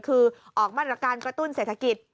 คือออกมาตรการกระตุ้นเศรษฐกิจ